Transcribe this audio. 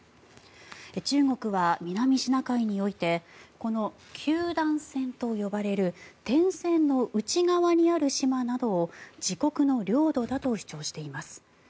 中国は南シナ海においてこの九段線と呼ばれる点線の内側にある島などを自国の領土だと主張しています。